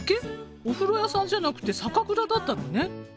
お風呂屋さんじゃなくて酒蔵だったのね。